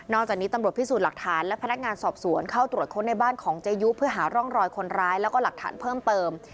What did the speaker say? จากนี้ตำรวจพิสูจน์หลักฐานและพนักงานสอบสวนเข้าตรวจค้นในบ้านของเจยุเพื่อหาร่องรอยคนร้ายแล้วก็หลักฐานเพิ่มเติม